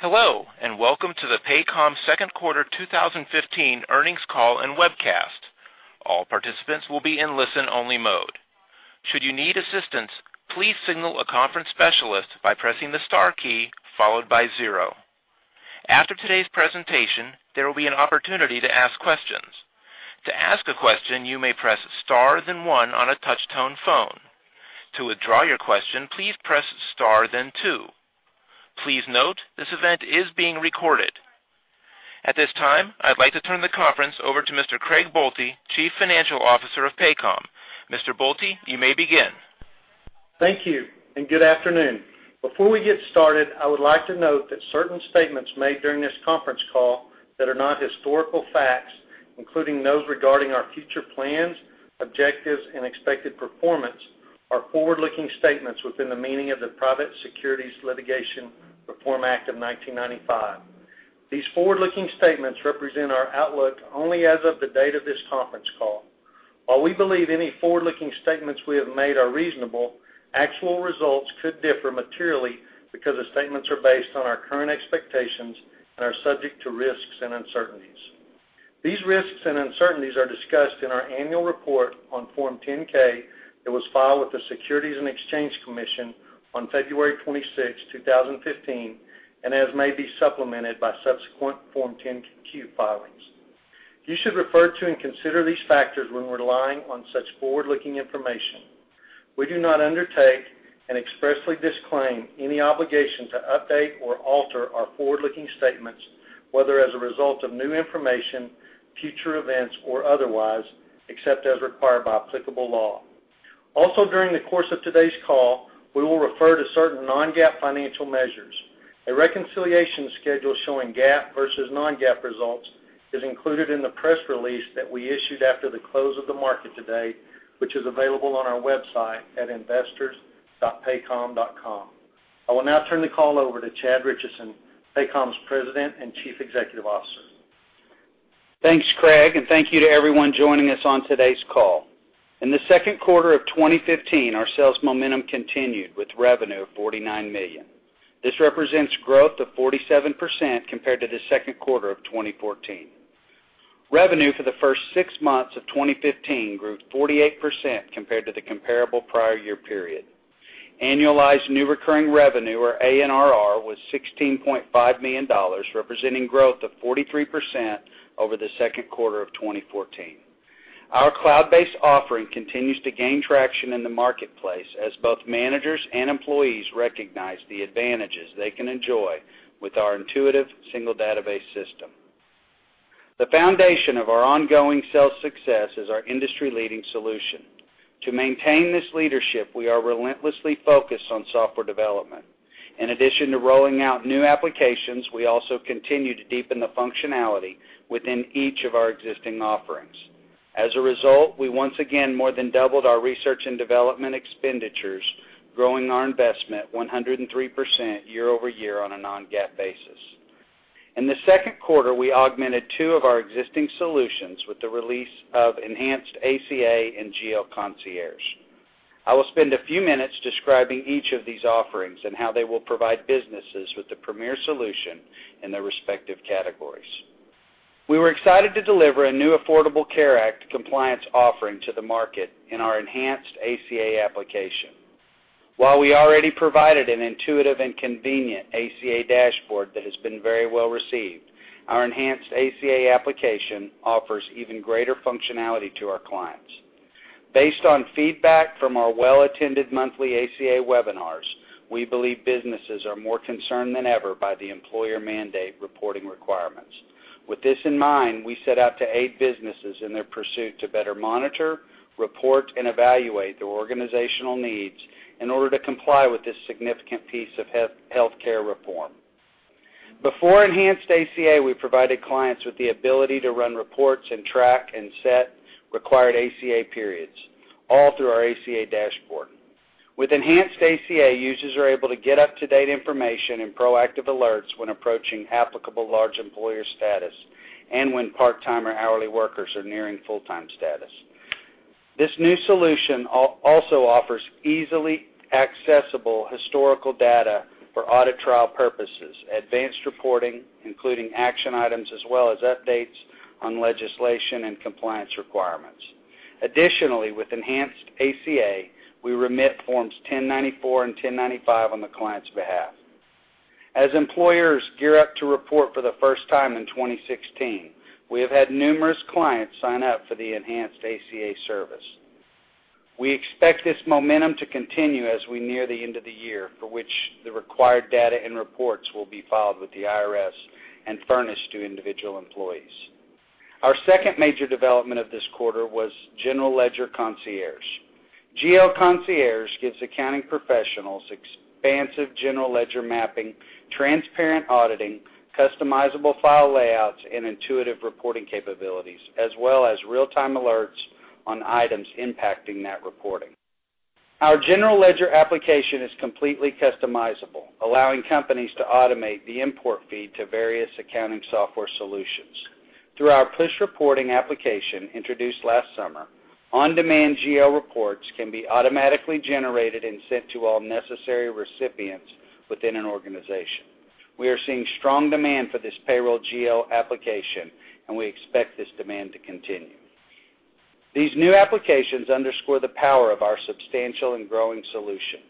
Hello, welcome to the Paycom second quarter 2015 earnings call and webcast. All participants will be in listen-only mode. Should you need assistance, please signal a conference specialist by pressing the star key followed by 0. After today's presentation, there will be an opportunity to ask questions. To ask a question, you may press star then 1 on a touch-tone phone. To withdraw your question, please press star then 2. Please note, this event is being recorded. At this time, I'd like to turn the conference over to Mr. Craig Boelte, Chief Financial Officer of Paycom. Mr. Boelte, you may begin. Thank you, good afternoon. Before we get started, I would like to note that certain statements made during this conference call that are not historical facts, including those regarding our future plans, objectives, and expected performance, are forward-looking statements within the meaning of the Private Securities Litigation Reform Act of 1995. These forward-looking statements represent our outlook only as of the date of this conference call. While we believe any forward-looking statements we have made are reasonable, actual results could differ materially, because the statements are based on our current expectations and are subject to risks and uncertainties. These risks and uncertainties are discussed in our annual report on Form 10-K that was filed with the Securities and Exchange Commission on February 26, 2015, and as may be supplemented by subsequent Form 10-Q filings. You should refer to and consider these factors when relying on such forward-looking information. We do not undertake and expressly disclaim any obligation to update or alter our forward-looking statements, whether as a result of new information, future events, or otherwise, except as required by applicable law. Also, during the course of today's call, we will refer to certain non-GAAP financial measures. A reconciliation schedule showing GAAP versus non-GAAP results is included in the press release that we issued after the close of the market today, which is available on our website at investors.paycom.com. I will now turn the call over to Chad Richison, Paycom's President and Chief Executive Officer. Thanks, Craig, thank you to everyone joining us on today's call. In the second quarter of 2015, our sales momentum continued with revenue of $49 million. This represents growth of 47% compared to the second quarter of 2014. Revenue for the first six months of 2015 grew 48% compared to the comparable prior year period. Annualized new recurring revenue, or ANRR, was $16.5 million, representing growth of 43% over the second quarter of 2014. Our cloud-based offering continues to gain traction in the marketplace as both managers and employees recognize the advantages they can enjoy with our intuitive single database system. The foundation of our ongoing sales success is our industry-leading solution. To maintain this leadership, we are relentlessly focused on software development. In addition to rolling out new applications, we also continue to deepen the functionality within each of our existing offerings. As a result, we once again more than doubled our research and development expenditures, growing our investment 103% year-over-year on a non-GAAP basis. In the second quarter, we augmented two of our existing solutions with the release of Enhanced ACA and GL Concierge. I will spend a few minutes describing each of these offerings and how they will provide businesses with the premier solution in their respective categories. We were excited to deliver a new Affordable Care Act compliance offering to the market in our Enhanced ACA application. While we already provided an intuitive and convenient ACA dashboard that has been very well-received, our Enhanced ACA application offers even greater functionality to our clients. Based on feedback from our well-attended monthly ACA webinars, we believe businesses are more concerned than ever by the employer mandate reporting requirements. With this in mind, we set out to aid businesses in their pursuit to better monitor, report, and evaluate their organizational needs in order to comply with this significant piece of healthcare reform. Before Enhanced ACA, we provided clients with the ability to run reports and track and set required ACA periods, all through our ACA dashboard. With Enhanced ACA, users are able to get up-to-date information and proactive alerts when approaching applicable large employer status and when part-time or hourly workers are nearing full-time status. This new solution also offers easily accessible historical data for audit trial purposes, advanced reporting, including action items, as well as updates on legislation and compliance requirements. Additionally, with Enhanced ACA, we remit Forms 1094 and 1095 on the client's behalf. As employers gear up to report for the first time in 2016, we have had numerous clients sign up for the Enhanced ACA service. We expect this momentum to continue as we near the end of the year, for which the required data and reports will be filed with the IRS and furnished to individual employees. Our second major development of this quarter was General Ledger Concierge. GL Concierge gives accounting professionals expansive general ledger mapping, transparent auditing, customizable file layouts, and intuitive reporting capabilities, as well as real-time alerts on items impacting that reporting. Our general ledger application is completely customizable, allowing companies to automate the import feed to various accounting software solutions. Through our push reporting application introduced last summer, on-demand GL reports can be automatically generated and sent to all necessary recipients within an organization. We are seeing strong demand for this payroll GL application, and we expect this demand to continue. These new applications underscore the power of our substantial and growing solution.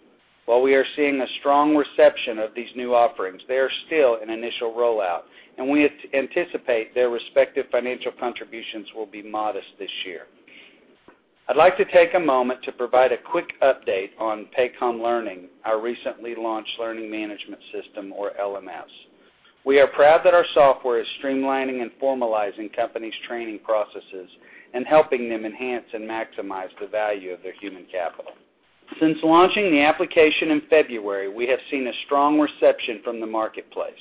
While we are seeing a strong reception of these new offerings, they are still in initial rollout, and we anticipate their respective financial contributions will be modest this year. I'd like to take a moment to provide a quick update on Paycom Learning, our recently launched learning management system, or LMS. We are proud that our software is streamlining and formalizing companies' training processes and helping them enhance and maximize the value of their human capital. Since launching the application in February, we have seen a strong reception from the marketplace.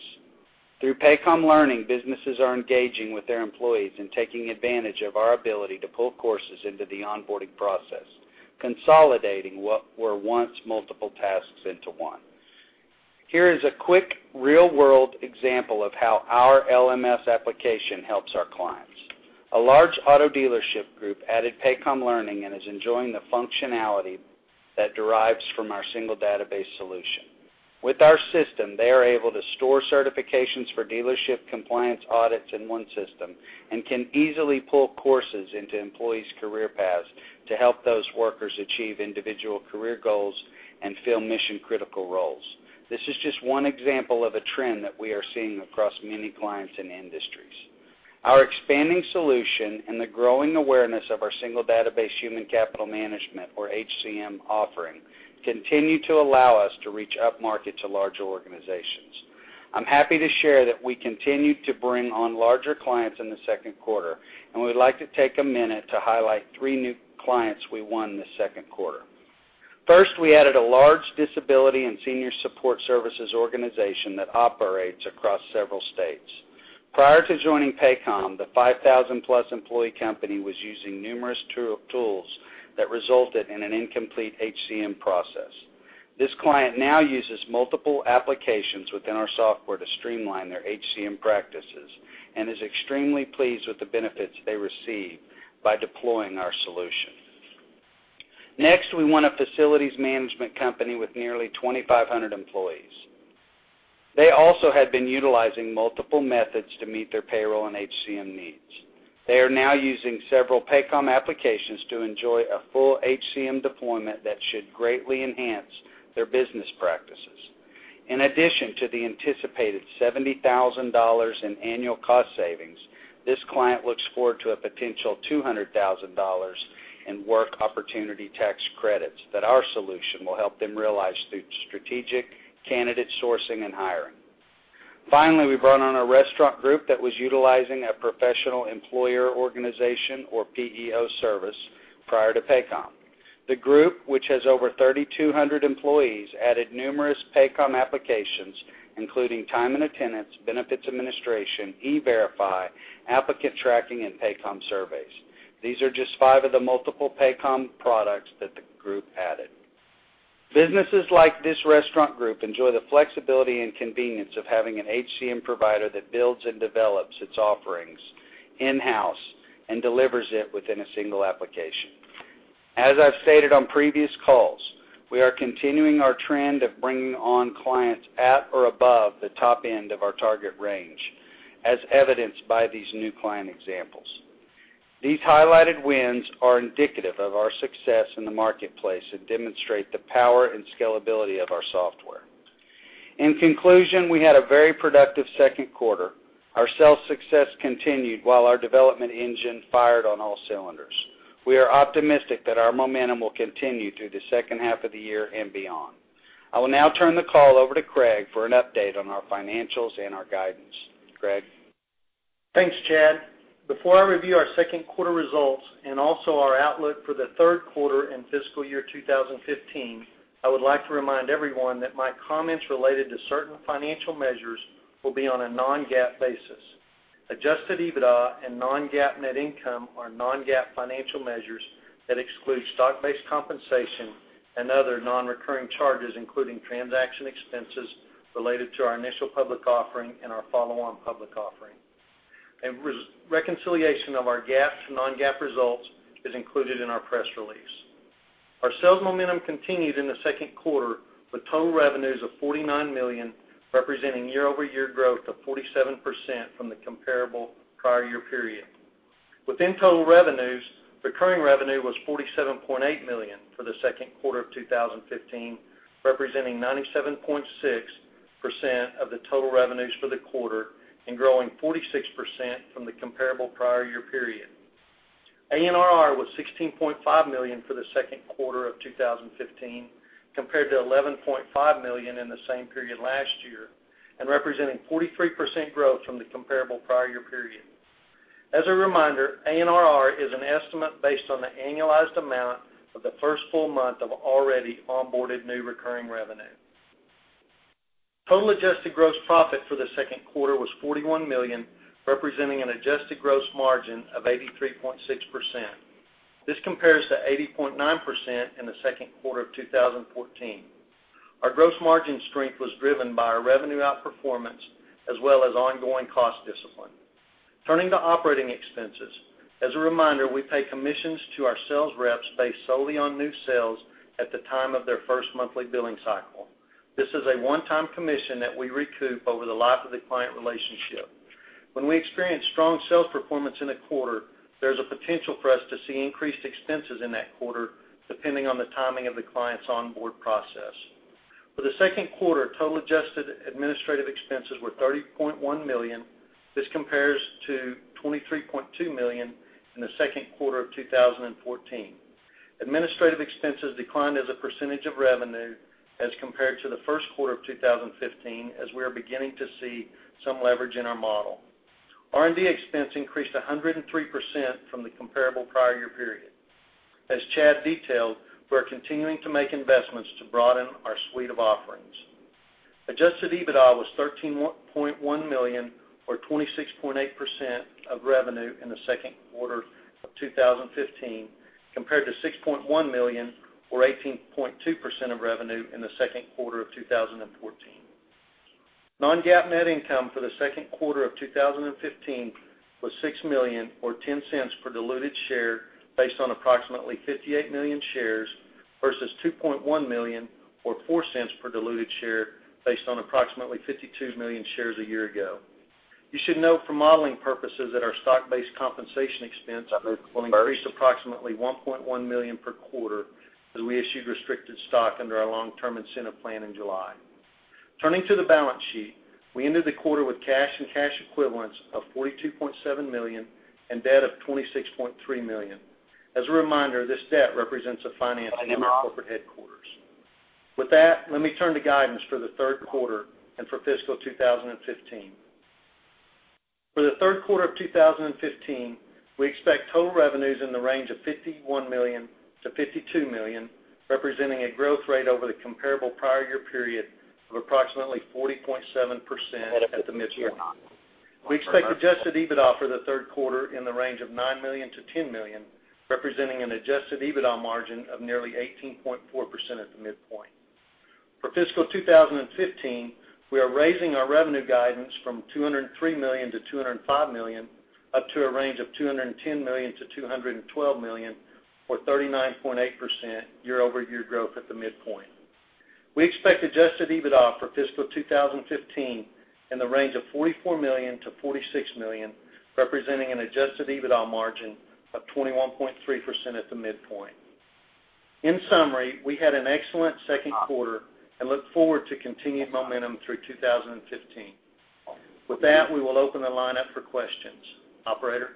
Through Paycom Learning, businesses are engaging with their employees and taking advantage of our ability to pull courses into the onboarding process, consolidating what were once multiple tasks into one. Here is a quick real-world example of how our LMS application helps our clients. A large auto dealership group added Paycom Learning and is enjoying the functionality that derives from our single database solution. With our system, they are able to store certifications for dealership compliance audits in one system and can easily pull courses into employees' career paths to help those workers achieve individual career goals and fill mission-critical roles. This is just one example of a trend that we are seeing across many clients and industries. Our expanding solution and the growing awareness of our single-database human capital management, or HCM offering, continue to allow us to reach upmarket to larger organizations. I'm happy to share that we continued to bring on larger clients in the second quarter, and we'd like to take a minute to highlight three new clients we won this second quarter. First, we added a large disability and senior support services organization that operates across several states. Prior to joining Paycom, the 5,000-plus employee company was using numerous tools that resulted in an incomplete HCM process. This client now uses multiple applications within our software to streamline their HCM practices and is extremely pleased with the benefits they receive by deploying our solution. Next, we won a facilities management company with nearly 2,500 employees. They also had been utilizing multiple methods to meet their payroll and HCM needs. They are now using several Paycom applications to enjoy a full HCM deployment that should greatly enhance their business practices. In addition to the anticipated $70,000 in annual cost savings, this client looks forward to a potential $200,000 in work opportunity tax credits that our solution will help them realize through strategic candidate sourcing and hiring. Finally, we brought on a restaurant group that was utilizing a professional employer organization, or PEO service, prior to Paycom. The group, which has over 3,200 employees, added numerous Paycom applications, including time and attendance, benefits administration, E-Verify, applicant tracking, and Paycom Surveys. These are just five of the multiple Paycom products that the group added. Businesses like this restaurant group enjoy the flexibility and convenience of having an HCM provider that builds and develops its offerings in-house and delivers it within a single application. As I've stated on previous calls, we are continuing our trend of bringing on clients at or above the top end of our target range, as evidenced by these new client examples. These highlighted wins are indicative of our success in the marketplace and demonstrate the power and scalability of our software. In conclusion, we had a very productive second quarter. Our sales success continued while our development engine fired on all cylinders. We are optimistic that our momentum will continue through the second half of the year and beyond. I will now turn the call over to Craig for an update on our financials and our guidance. Craig? Thanks, Chad. Before I review our second quarter results and also our outlook for the third quarter and fiscal year 2015, I would like to remind everyone that my comments related to certain financial measures will be on a non-GAAP basis. Adjusted EBITDA and non-GAAP net income are non-GAAP financial measures that exclude stock-based compensation and other non-recurring charges, including transaction expenses related to our initial public offering and our follow-on public offering. A reconciliation of our GAAP to non-GAAP results is included in our press release. Our sales momentum continued in the second quarter with total revenues of $49 million, representing year-over-year growth of 47% from the comparable prior year period. Within total revenues, recurring revenue was $47.8 million for the second quarter of 2015, representing 97.6% of the total revenues for the quarter and growing 46% from the comparable prior year period. ANRR was $16.5 million for the second quarter of 2015, compared to $11.5 million in the same period last year and representing 43% growth from the comparable prior year period. As a reminder, ANRR is an estimate based on the annualized amount of the first full month of already onboarded new recurring revenue. Total adjusted gross profit for the second quarter was $41 million, representing an adjusted gross margin of 83.6%. This compares to 80.9% in the second quarter of 2014. Our gross margin strength was driven by our revenue outperformance as well as ongoing cost discipline. Turning to operating expenses. As a reminder, we pay commissions to our sales reps based solely on new sales at the time of their first monthly billing cycle. This is a one-time commission that we recoup over the life of the client relationship. When we experience strong sales performance in a quarter, there's a potential for us to see increased expenses in that quarter, depending on the timing of the client's onboard process. For the second quarter, total adjusted administrative expenses were $30.1 million. This compares to $23.2 million in the second quarter of 2014. Administrative expenses declined as a percentage of revenue as compared to the first quarter of 2015, as we are beginning to see some leverage in our model. R&D expense increased 103% from the comparable prior year period. As Chad detailed, we're continuing to make investments to broaden our suite of offerings. Adjusted EBITDA was $13.1 million, or 26.8% of revenue in the second quarter of 2015, compared to $6.1 million, or 18.2% of revenue in the second quarter of 2014. Non-GAAP net income for the second quarter of 2015 was $6 million, or $0.10 per diluted share, based on approximately 58 million shares, versus $2.1 million, or $0.04 per diluted share, based on approximately 52 million shares a year ago. You should note for modeling purposes that our stock-based compensation expense will increase approximately $1.1 million per quarter as we issued restricted stock under our long-term incentive plan in July. Turning to the balance sheet, we ended the quarter with cash and cash equivalents of $42.7 million and debt of $26.3 million. As a reminder, this debt represents a financing of our corporate headquarters. With that, let me turn to guidance for the third quarter and for fiscal 2015. For the third quarter of 2015, we expect total revenues in the range of $51 million-$52 million, representing a growth rate over the comparable prior year period of approximately 40.7% at the midpoint. We expect adjusted EBITDA for the third quarter in the range of $9 million-$10 million, representing an adjusted EBITDA margin of nearly 18.4% at the midpoint. For fiscal 2015, we are raising our revenue guidance from $203 million-$205 million, up to a range of $210 million-$212 million, or 39.8% year-over-year growth at the midpoint. We expect adjusted EBITDA for fiscal 2015 in the range of $44 million-$46 million, representing an adjusted EBITDA margin of 21.3% at the midpoint. In summary, we had an excellent second quarter and look forward to continued momentum through 2015. With that, we will open the line up for questions. Operator?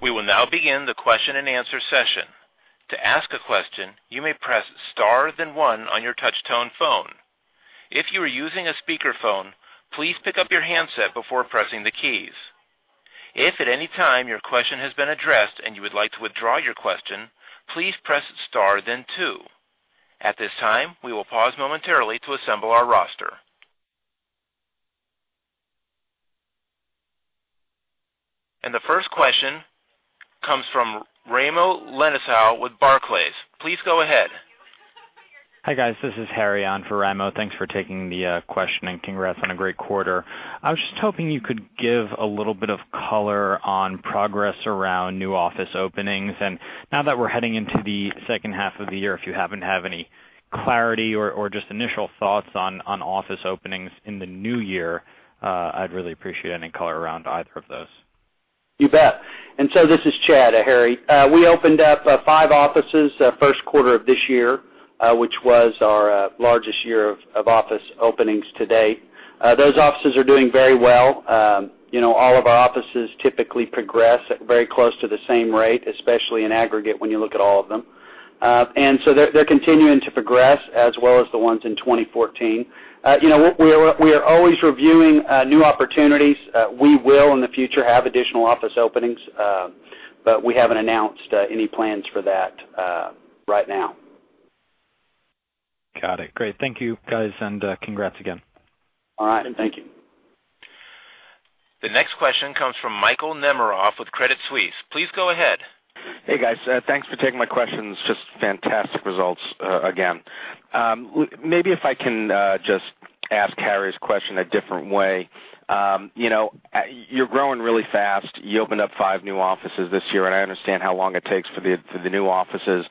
We will now begin the question-and-answer session. To ask a question, you may press star then one on your touch tone phone. If you are using a speakerphone, please pick up your handset before pressing the keys. If at any time your question has been addressed and you would like to withdraw your question, please press star then two. At this time, we will pause momentarily to assemble our roster. The first question comes from Raimo Lenschow with Barclays. Please go ahead. Hi, guys. This is Harry on for Raimo. Thanks for taking the question, and congrats on a great quarter. I was just hoping you could give a little bit of color on progress around new office openings. Now that we're heading into the second half of the year, if you happen to have any clarity or just initial thoughts on office openings in the new year, I'd really appreciate any color around either of those. You bet. This is Chad, Harry. We opened up five offices first quarter of this year, which was our largest year of office openings to date. Those offices are doing very well. All of our offices typically progress at very close to the same rate, especially in aggregate when you look at all of them. So they're continuing to progress as well as the ones in 2014. We are always reviewing new opportunities. We will, in the future, have additional office openings, but we haven't announced any plans for that right now. Got it. Great. Thank you, guys, and congrats again. All right. Thank you. The next question comes from Michael Nemeroff with Credit Suisse. Please go ahead. Hey, guys. Thanks for taking my questions. Just fantastic results, again. Maybe if I can just ask Harry's question a different way. You're growing really fast. You opened up five new offices this year, and I understand how long it takes for the new offices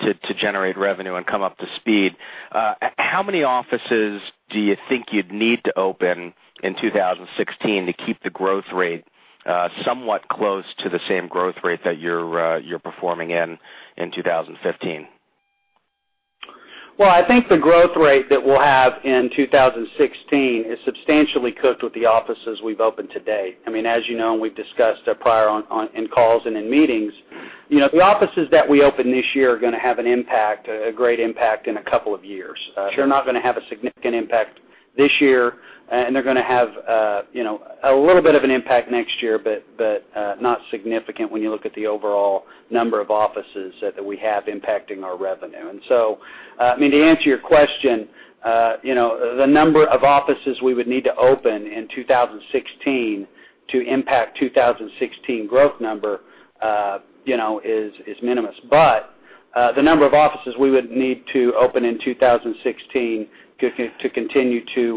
to generate revenue and come up to speed. How many offices do you think you'd need to open in 2016 to keep the growth rate somewhat close to the same growth rate that you're performing in 2015? Well, I think the growth rate that we'll have in 2016 is substantially cooked with the offices we've opened to date. As you know, and we've discussed prior in calls and in meetings, the offices that we open this year are going to have an impact, a great impact, in a couple of years. They're not going to have a significant impact this year, and they're going to have a little bit of an impact next year, but not significant when you look at the overall number of offices that we have impacting our revenue. To answer your question, the number of offices we would need to open in 2016 To impact 2016 growth number is de minimis. The number of offices we would need to open in 2016 to continue to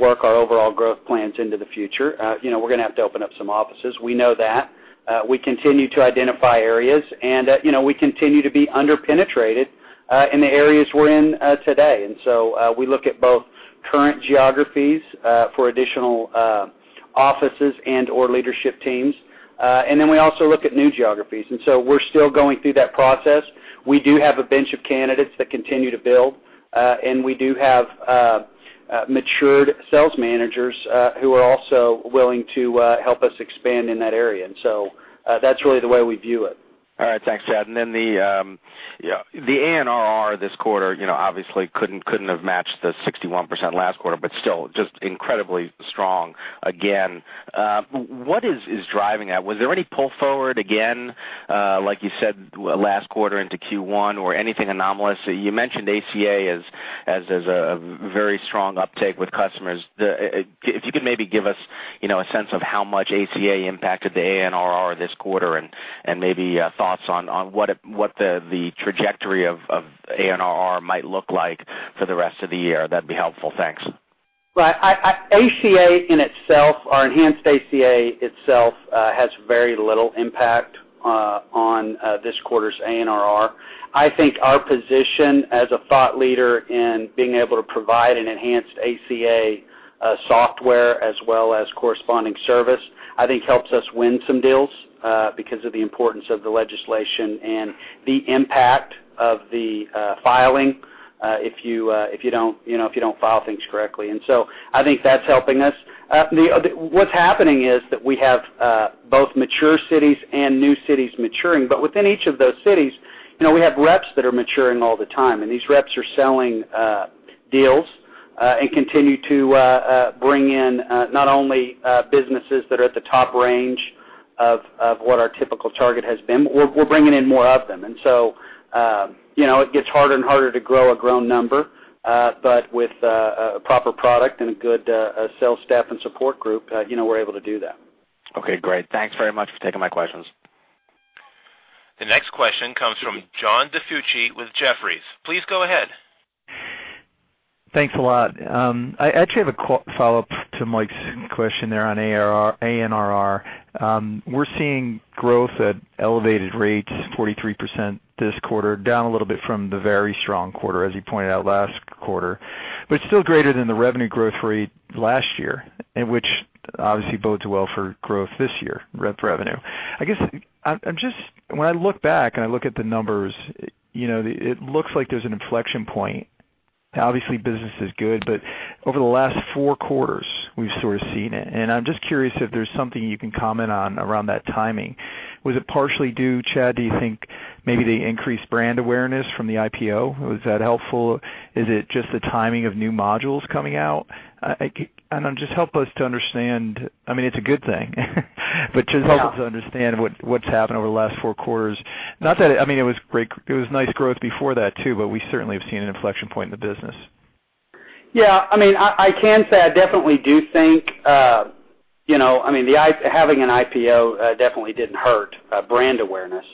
work our overall growth plans into the future, we're going to have to open up some offices. We know that. We continue to identify areas, and we continue to be under-penetrated in the areas we're in today. We look at both current geographies for additional offices and/or leadership teams. We also look at new geographies. We're still going through that process. We do have a bench of candidates that continue to build, and we do have matured sales managers who are also willing to help us expand in that area. That's really the way we view it. All right. Thanks, Chad Richison. The ANRR this quarter, obviously couldn't have matched the 61% last quarter, but still just incredibly strong again. What is driving that? Was there any pull forward again, like you said, last quarter into Q1 or anything anomalous? You mentioned ACA as a very strong uptake with customers. If you could maybe give us a sense of how much ACA impacted the ANRR this quarter and maybe thoughts on what the trajectory of ANRR might look like for the rest of the year, that'd be helpful. Thanks. Right. ACA in itself or Enhanced ACA itself, has very little impact on this quarter's ANRR. I think our position as a thought leader in being able to provide an Enhanced ACA software as well as corresponding service, I think helps us win some deals because of the importance of the legislation and the impact of the filing, if you don't file things correctly. I think that's helping us. What's happening is that we have both mature cities and new cities maturing, but within each of those cities, we have reps that are maturing all the time, and these reps are selling deals, and continue to bring in not only businesses that are at the top range of what our typical target has been. We're bringing in more of them. It gets harder and harder to grow a grown number. With a proper product and a good sales staff and support group, we're able to do that. Okay, great. Thanks very much for taking my questions. The next question comes from John DiFucci with Jefferies. Please go ahead. Thanks a lot. I actually have a follow-up to Mike's question there on ANRR. We're seeing growth at elevated rates, 43% this quarter, down a little bit from the very strong quarter, as you pointed out last quarter, but still greater than the revenue growth rate last year, and which obviously bodes well for growth this year, rep revenue. I guess, when I look back and I look at the numbers, it looks like there's an inflection point. Obviously business is good, but over the last four quarters we've sort of seen it, and I'm just curious if there's something you can comment on around that timing. Was it partially due, Chad, do you think maybe the increased brand awareness from the IPO? Was that helpful? Is it just the timing of new modules coming out? Just help us to understand, it's a good thing, but just help us to understand what's happened over the last 4 quarters. It was nice growth before that too, but we certainly have seen an inflection point in the business. I can say I definitely do think having an IPO definitely didn't hurt brand awareness.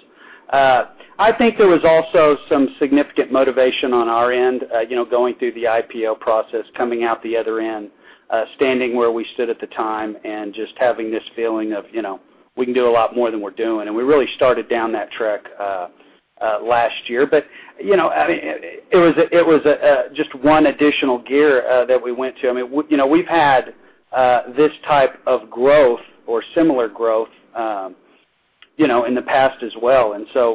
I think there was also some significant motivation on our end, going through the IPO process, coming out the other end, standing where we stood at the time and just having this feeling of, we can do a lot more than we're doing, and we really started down that track last year. It was just one additional gear that we went to. We've had this type of growth or similar growth in the past as well.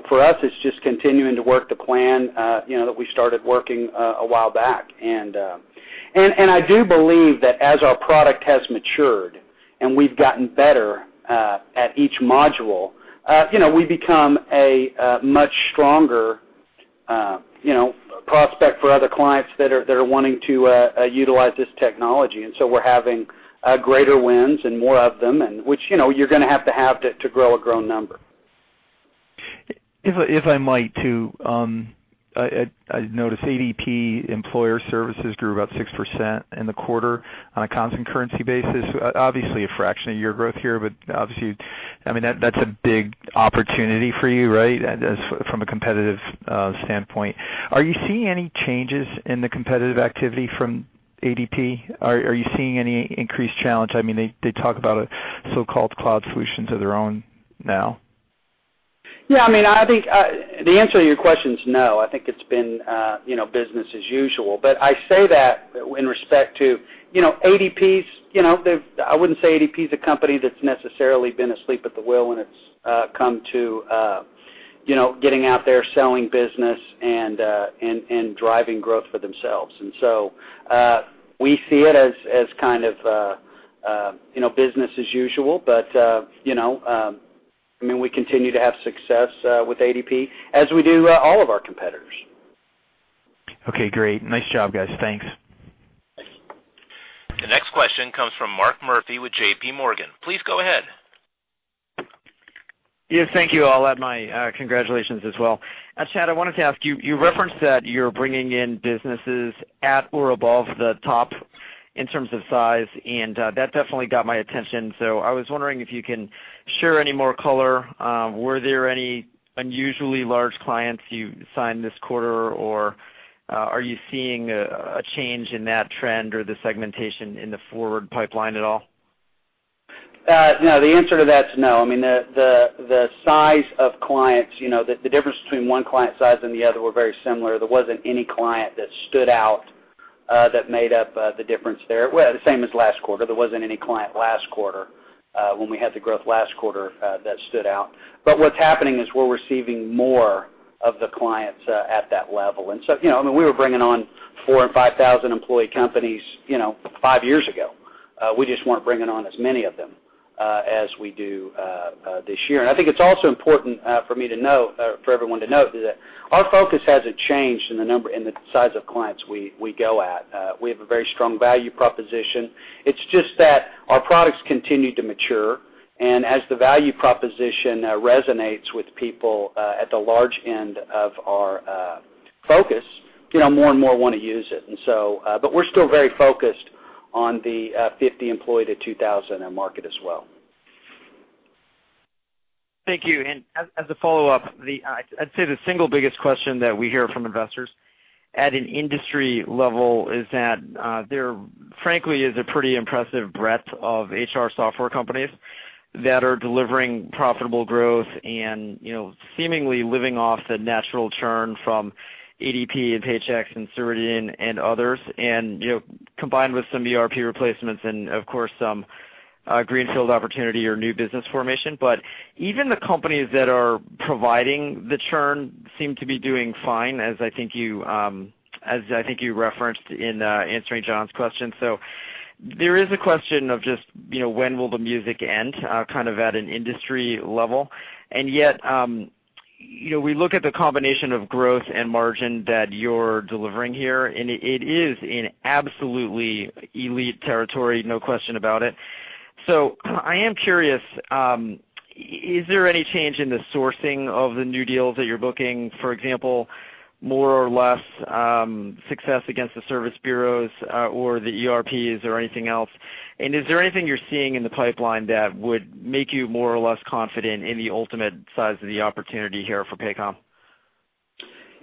For us, it's just continuing to work the plan that we started working a while back. I do believe that as our product has matured and we've gotten better at each module, we become a much stronger prospect for other clients that are wanting to utilize this technology. We're having greater wins and more of them, which you're going to have to grow a grown number. If I might too, I notice ADP Employer Services grew about 6% in the quarter on a constant currency basis. Obviously, a fraction of your growth here, but obviously, that's a big opportunity for you, right? From a competitive standpoint. Are you seeing any changes in the competitive activity from ADP? Are you seeing any increased challenge? They talk about a so-called cloud solution to their own now. Yeah. The answer to your question is no. I think it's been business as usual. I say that in respect to ADP. I wouldn't say ADP is a company that's necessarily been asleep at the wheel when it's come to getting out there, selling business, and driving growth for themselves. We see it as business as usual. We continue to have success with ADP as we do all of our competitors. Okay, great. Nice job, guys. Thanks. The next question comes from Mark Murphy with JP Morgan. Please go ahead. Yes, thank you. I'll add my congratulations as well. Chad, I wanted to ask you referenced that you're bringing in businesses at or above the top in terms of size, and that definitely got my attention. I was wondering if you can share any more color. Were there any unusually large clients you signed this quarter? Are you seeing a change in that trend or the segmentation in the forward pipeline at all? No, the answer to that is no. The size of clients, the difference between one client size and the other were very similar. There wasn't any client that stood out that made up the difference there. Well, the same as last quarter. There wasn't any client last quarter, when we had the growth last quarter, that stood out. What's happening is we're receiving more of the clients at that level. We were bringing on 4,000 and 5,000-employee companies five years ago. We just weren't bringing on as many of them as we do this year. I think it's also important for everyone to note that our focus hasn't changed in the size of clients we go at. We have a very strong value proposition. It's just that our products continue to mature, and as the value proposition resonates with people at the large end of our focus, more and more want to use it. We're still very focused on the 50 employee to 2,000 market as well. Thank you. As a follow-up, I'd say the single biggest question that we hear from investors at an industry level is that there frankly is a pretty impressive breadth of HR software companies that are delivering profitable growth and seemingly living off the natural churn from ADP and Paychex and Ceridian and others, and combined with some ERP replacements and, of course, some greenfield opportunity or new business formation. Even the companies that are providing the churn seem to be doing fine, as I think you referenced in answering John's question. There is a question of just when will the music end, kind of at an industry level. Yet, we look at the combination of growth and margin that you're delivering here, and it is in absolutely elite territory, no question about it. I am curious, is there any change in the sourcing of the new deals that you're booking? For example, more or less success against the service bureaus or the ERPs or anything else. Is there anything you're seeing in the pipeline that would make you more or less confident in the ultimate size of the opportunity here for Paycom?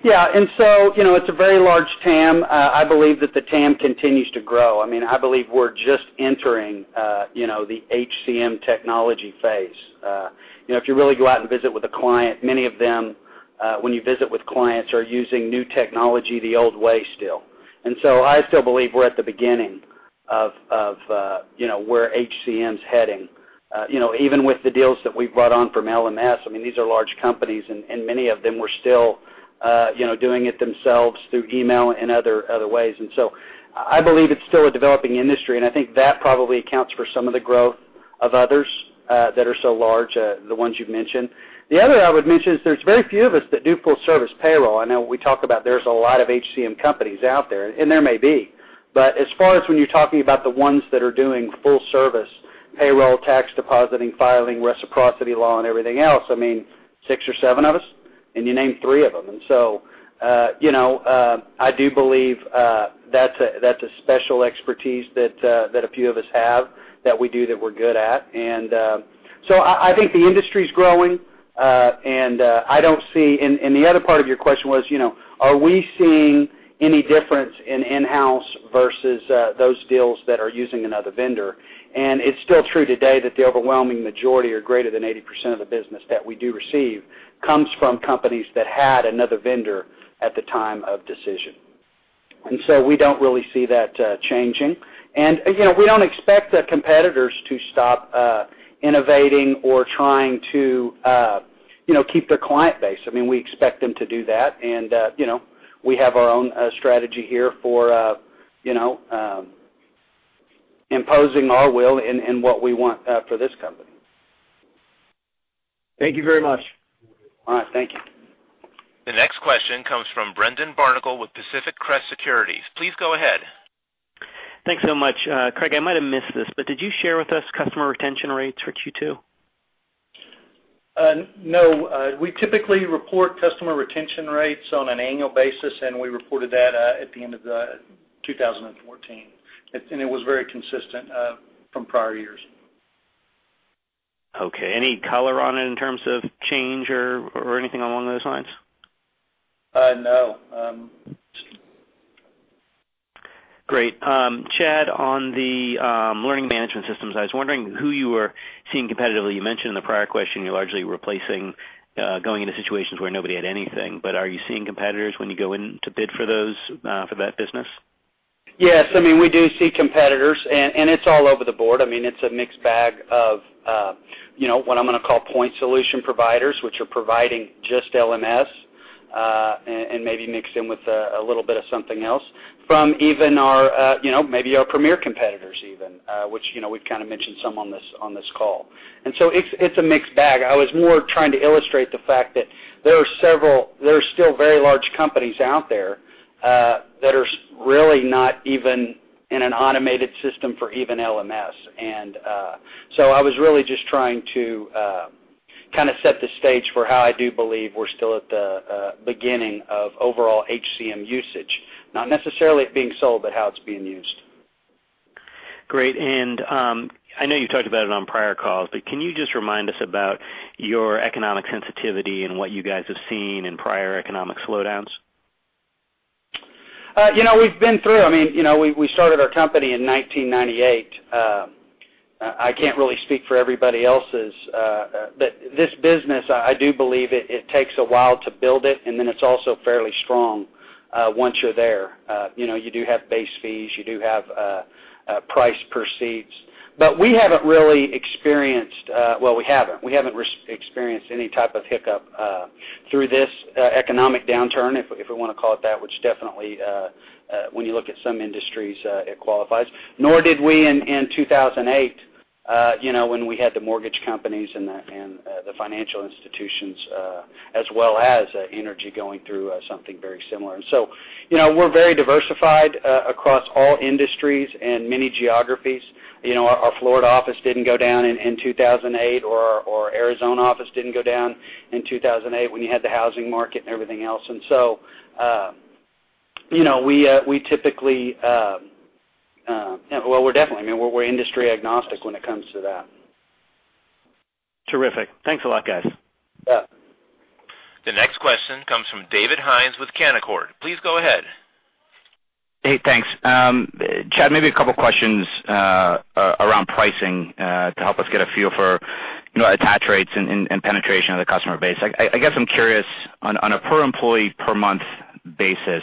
Yeah. It's a very large TAM. I believe that the TAM continues to grow. I believe we're just entering the HCM technology phase. If you really go out and visit with a client, many of them, when you visit with clients, are using new technology the old way still. I still believe we're at the beginning of where HCM's heading. Even with the deals that we've brought on from LMS, these are large companies, and many of them were still doing it themselves through email and other ways. I believe it's still a developing industry, and I think that probably accounts for some of the growth of others that are so large, the ones you've mentioned. The other I would mention is there's very few of us that do full service payroll. I know we talk about there's a lot of HCM companies out there, and there may be. As far as when you're talking about the ones that are doing full service payroll, tax depositing, filing, reciprocity law, and everything else, six or seven of us, and you named three of them. I do believe that's a special expertise that a few of us have that we do that we're good at. I think the industry's growing, and I don't see. The other part of your question was, are we seeing any difference in in-house versus those deals that are using another vendor. It's still true today that the overwhelming majority or greater than 80% of the business that we do receive comes from companies that had another vendor at the time of decision. We don't really see that changing. Again, we don't expect the competitors to stop innovating or trying to keep their client base. We expect them to do that, and we have our own strategy here for imposing our will and what we want for this company. Thank you very much. All right. Thank you. The next question comes from Brendan Barnicle with Pacific Crest Securities. Please go ahead. Thanks so much. Craig, I might have missed this, but did you share with us customer retention rates for Q2? No. We typically report customer retention rates on an annual basis, and we reported that at the end of 2014. It was very consistent from prior years. Okay. Any color on it in terms of change or anything along those lines? No. Great. Chad, on the learning management systems, I was wondering who you were seeing competitively. You mentioned in the prior question you're largely replacing, going into situations where nobody had anything, are you seeing competitors when you go in to bid for that business? Yes. We do see competitors, it's all over the board. It's a mixed bag of what I'm going to call point solution providers, which are providing just LMS, and maybe mixed in with a little bit of something else from even maybe our premier competitors even, which we've kind of mentioned some on this call. It's a mixed bag. I was more trying to illustrate the fact that there are still very large companies out there that are really not even in an automated system for even LMS. I was really just trying to set the stage for how I do believe we're still at the beginning of overall HCM usage, not necessarily it being sold, but how it's being used. Great. I know you talked about it on prior calls, but can you just remind us about your economic sensitivity and what you guys have seen in prior economic slowdowns? We started our company in 1998. I can't really speak for everybody else's, but this business, I do believe it takes a while to build it, and then it's also fairly strong once you're there. You do have base fees, you do have price proceeds. We haven't really experienced any type of hiccup through this economic downturn, if we want to call it that, which definitely, when you look at some industries, it qualifies. Nor did we in 2008, when we had the mortgage companies and the financial institutions, as well as energy going through something very similar. We're very diversified across all industries and many geographies. Our Florida office didn't go down in 2008, or our Arizona office didn't go down in 2008 when you had the housing market and everything else. We're industry agnostic when it comes to that. Terrific. Thanks a lot, guys. Yeah. The next question comes from David Hynes with Canaccord. Please go ahead. Hey, thanks. Chad, maybe a couple questions around pricing to help us get a feel for attach rates and penetration of the customer base. I guess I'm curious, on a per employee per month basis,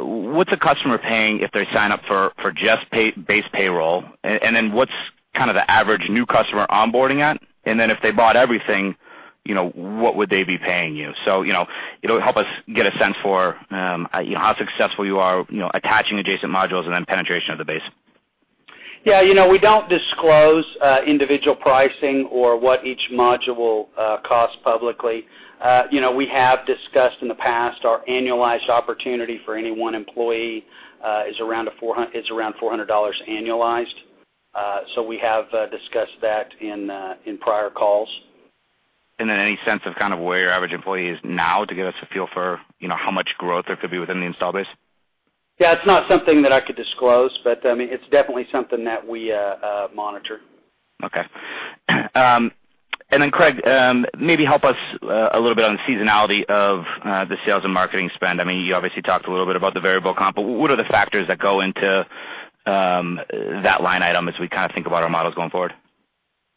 what's a customer paying if they sign up for just base payroll? What's the average new customer onboarding at? If they bought everything, what would they be paying you? It'll help us get a sense for how successful you are attaching adjacent modules and then penetration of the base. Yeah, we don't disclose individual pricing or what each module costs publicly. We have discussed in the past our annualized opportunity for any one employee is around $400 annualized. We have discussed that in prior calls. Any sense of where your average employee is now to give us a feel for how much growth there could be within the install base? Yeah, it's not something that I could disclose, but it's definitely something that we monitor. Okay. Craig, maybe help us a little bit on seasonality of the sales and marketing spend. You obviously talked a little bit about the variable comp, but what are the factors that go into that line item as we think about our models going forward?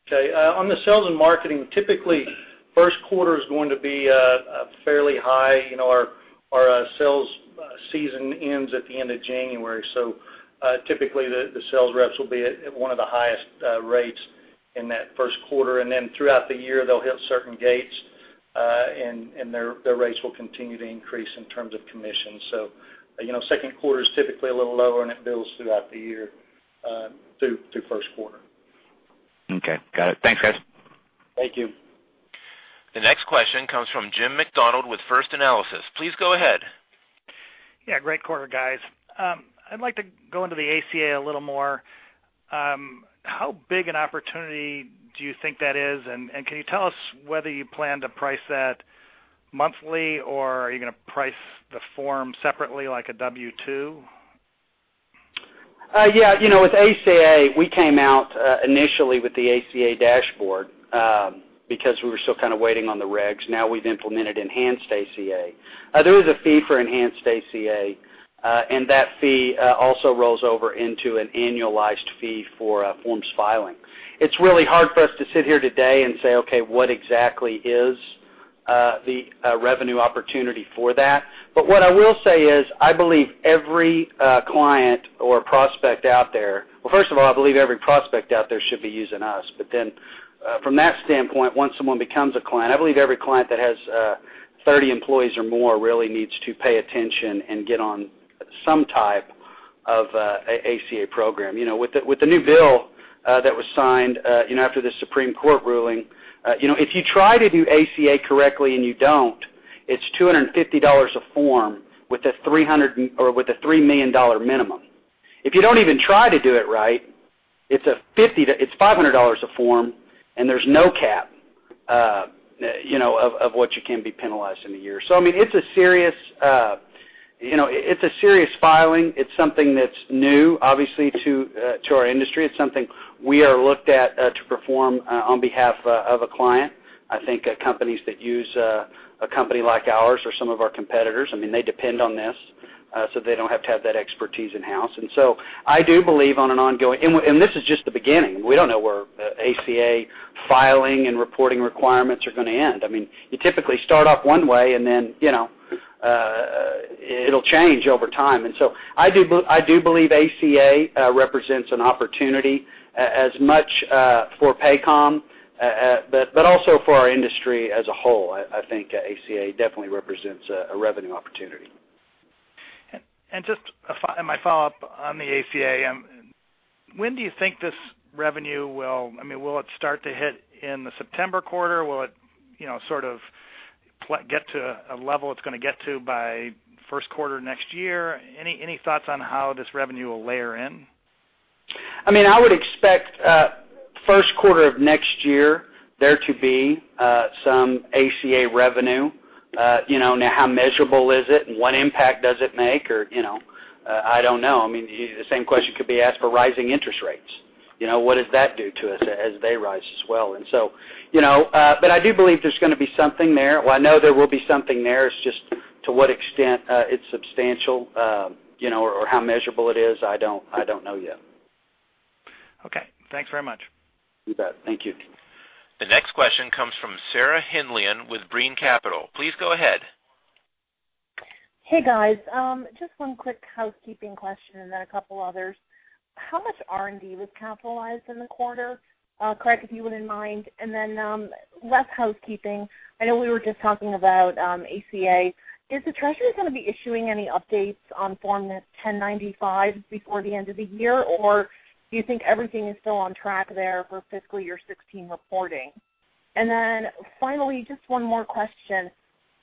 Okay. On the sales and marketing, typically, first quarter is going to be fairly high. Our sales season ends at the end of January, typically, the sales reps will be at one of the highest rates in that first quarter, throughout the year, they'll hit certain gates, and their rates will continue to increase in terms of commissions. Second quarter is typically a little lower, and it builds throughout the year, through first quarter. Okay, got it. Thanks, guys. Thank you. The next question comes from Jim McDonald with First Analysis. Please go ahead. Yeah, great quarter, guys. I'd like to go into the ACA a little more. How big an opportunity do you think that is, and can you tell us whether you plan to price that monthly, or are you going to price the form separately, like a W-2? Yeah. With ACA, we came out initially with the ACA dashboard, because we were still waiting on the regs. Now we've implemented Enhanced ACA. There is a fee for Enhanced ACA, and that fee also rolls over into an annualized fee for forms filing. It's really hard for us to sit here today and say, "Okay, what exactly is the revenue opportunity for that?" What I will say is, I believe every client or prospect out there-- Well, first of all, I believe every prospect out there should be using us, from that standpoint, once someone becomes a client, I believe every client that has 30 employees or more really needs to pay attention and get on some type of ACA program. With the new bill that was signed after the Supreme Court ruling, if you try to do ACA correctly and you don't, it's $250 a form with a $3 million minimum. If you don't even try to do it right, it's $500 a form, there's no cap of what you can be penalized in a year. It's a serious filing. It's something that's new, obviously, to our industry. It's something we are looked at to perform on behalf of a client. I think companies that use a company like ours or some of our competitors, they depend on this, so they don't have to have that expertise in-house. I do believe on an ongoing-- This is just the beginning. We don't know where ACA filing and reporting requirements are going to end. You typically start off one way, and then it'll change over time. I do believe ACA represents an opportunity as much for Paycom, but also for our industry as a whole. I think ACA definitely represents a revenue opportunity. Just my follow-up on the ACA. When do you think this revenue will it start to hit in the September quarter? Will it sort of get to a level it's going to get to by first quarter next year? Any thoughts on how this revenue will layer in? I would expect first quarter of next year, there to be some ACA revenue. Now, how measurable is it and what impact does it make? I don't know. The same question could be asked for rising interest rates. What does that do to us as they rise as well? I do believe there's going to be something there. Well, I know there will be something there. It's just to what extent it's substantial, or how measurable it is. I don't know yet. Okay. Thanks very much. You bet. Thank you. The next question comes from Sarah Henlian with Breen Capital. Please go ahead. Hey, guys. Just one quick housekeeping question. Then a couple others. How much R&D was capitalized in the quarter? Craig, if you wouldn't mind. Less housekeeping, I know we were just talking about ACA. Is the Treasury going to be issuing any updates on Form 1095 before the end of the year, or do you think everything is still on track there for fiscal year 2016 reporting? Finally, just one more question.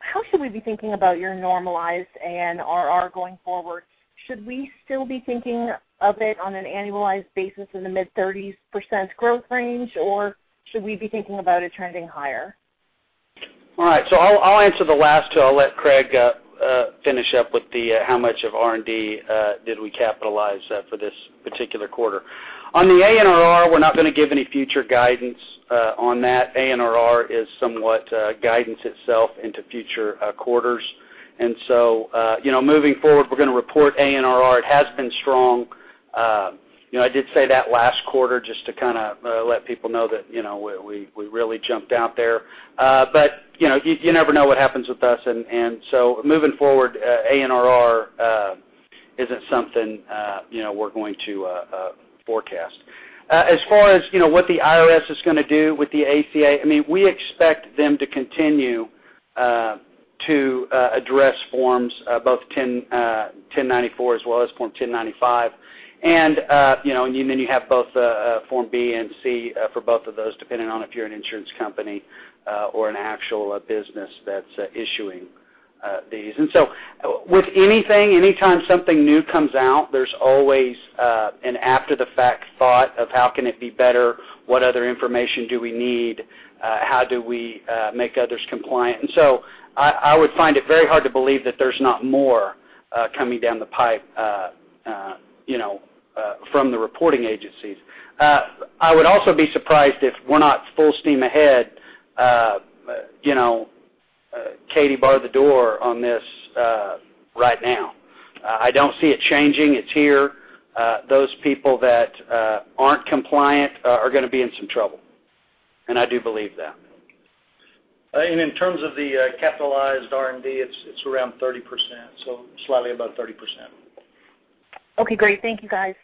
How should we be thinking about your normalized ANRR going forward? Should we still be thinking of it on an annualized basis in the mid-30% growth range, or should we be thinking about it trending higher? All right. I'll answer the last two. I'll let Craig finish up with the how much of R&D did we capitalize for this particular quarter. On the ANRR, we're not going to give any future guidance on that. ANRR is somewhat guidance itself into future quarters. Moving forward, we're going to report ANRR. It has been strong. I did say that last quarter, just to kind of let people know that we really jumped out there. You never know what happens with us, moving forward, ANRR isn't something we're going to forecast. As far as what the IRS is going to do with the ACA, we expect them to continue to address forms, both Form 1094 as well as Form 1095. You have both Form B and C for both of those, depending on if you're an insurance company or an actual business that's issuing these. With anything, anytime something new comes out, there's always an after-the-fact thought of how can it be better, what other information do we need, how do we make others compliant? I would find it very hard to believe that there's not more coming down the pipe from the reporting agencies. I would also be surprised if we're not full steam ahead, Katie bar the door on this right now. I don't see it changing. It's here. Those people that aren't compliant are going to be in some trouble, and I do believe that. In terms of the capitalized R&D, it's around 30%, so slightly above 30%. Okay, great. Thank you, guys.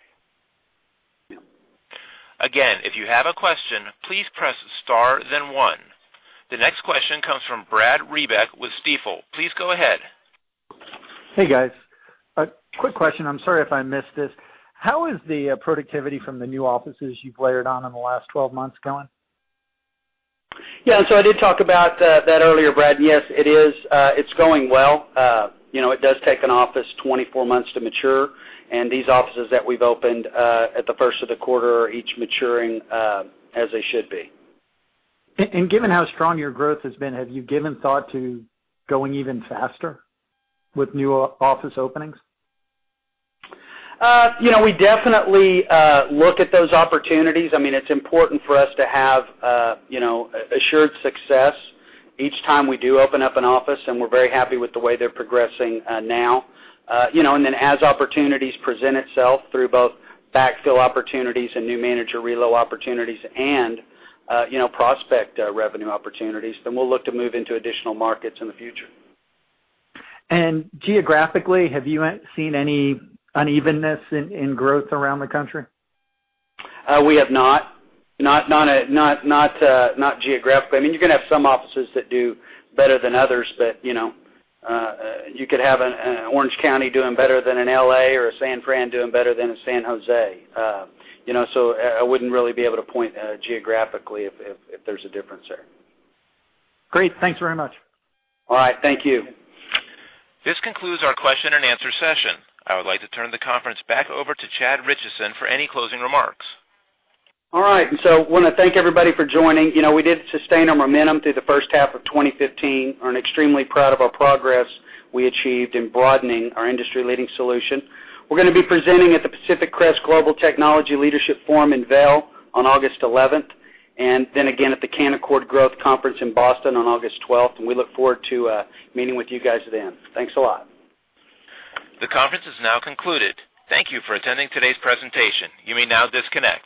Again, if you have a question, please press star then one. The next question comes from Brad Reback with Stifel. Please go ahead. Hey, guys. Quick question. I'm sorry if I missed this. How is the productivity from the new offices you've layered on in the last 12 months going? Yeah, I did talk about that earlier, Brad. Yes, it's going well. It does take an office 24 months to mature, and these offices that we've opened at the first of the quarter are each maturing as they should be. Given how strong your growth has been, have you given thought to going even faster with new office openings? We definitely look at those opportunities. It's important for us to have assured success each time we do open up an office, and we're very happy with the way they're progressing now. As opportunities present itself through both backfill opportunities and new manager relo opportunities and prospect revenue opportunities, then we'll look to move into additional markets in the future. Geographically, have you seen any unevenness in growth around the country? We have not. Not geographically. You can have some offices that do better than others, but you could have an Orange County doing better than an L.A. or a San Fran doing better than a San Jose. I wouldn't really be able to point geographically if there's a difference there. Great. Thanks very much. All right. Thank you. This concludes our question and answer session. I would like to turn the conference back over to Chad Richison for any closing remarks. I want to thank everybody for joining. We did sustain our momentum through the first half of 2015, are extremely proud of our progress we achieved in broadening our industry-leading solution. We're going to be presenting at the Pacific Crest Global Technology Leadership Forum in Vail on August 11th, then again at the Canaccord Growth Conference in Boston on August 12th, and we look forward to meeting with you guys then. Thanks a lot. The conference is now concluded. Thank you for attending today's presentation. You may now disconnect.